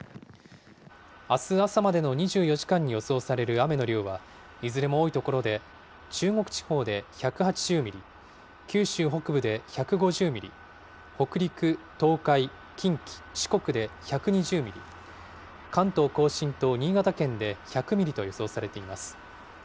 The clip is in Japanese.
あす朝までの２４時間に予想される雨の量は、いずれも多い所で、中国地方で１８０ミリ、九州北部で１５０ミリ、北陸、東海、近畿、四国で１２０ミリ、関東甲信と新潟県で１００ミリと予想されています。